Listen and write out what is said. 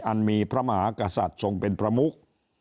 อันมีพระมหากษัตริย์ทรงเป็นประมุก